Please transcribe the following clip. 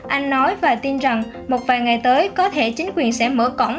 anh nói và tin rằng một vài ngày tới có thể chính quyền sẽ mở cổng